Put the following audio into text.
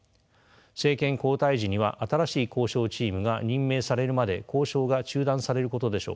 政権交代時には新しい交渉チームが任命されるまで交渉が中断されることでしょう。